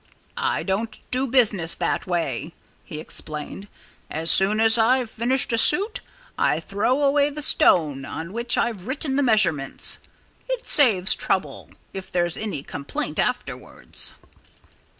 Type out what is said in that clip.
"I don't do business that way," he explained. "As soon as I've finished a suit I throw away the stone on which I've written the measurements. It saves trouble, if there's any complaint afterwards."